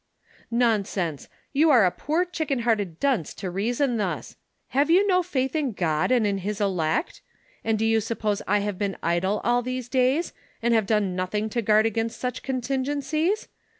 "i^onsense! you are a poor chicken hearted dunce to reason thus. Plave you no faith in God and in his elect ? And do you suppose I have been idle all these days, and have done nothing to guard against such contingencies